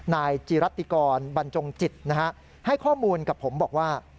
นายจีรัติกรบรรจงจิตนะฮะให้ข้อมูลกับผมบอกว่า